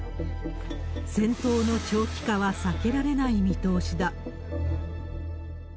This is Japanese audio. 戦闘の長期化は避けられない見通しだ。